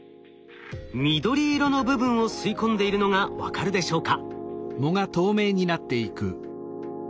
緑色の部分を吸い込んでいるのが分かるでしょうか？